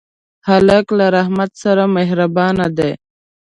هلک له رحمت سره مهربان دی.